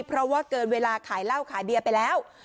เพราะว่าเกินเวลาขายเหล้าขายเบียร์ไปแล้ว